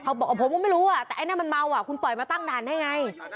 เขาบอกว่าผมก็ไม่รู้แต่ไอ้นั่นมันเมาคุณเปิดมาตั้งด่านได้ไง